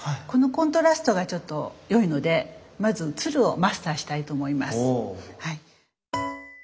このコントラストがちょっと良いのでまず鶴をマスターしたいと思います。